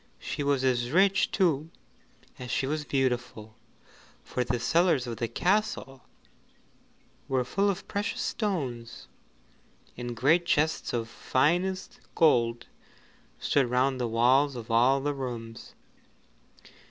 She was as rich too as she was beautiful, for the cellars of the castle were full of precious stones, and great chests of the finest gold stood round the walls of all the rooms.